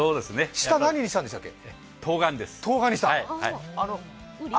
下、何にしたんでしたっけ？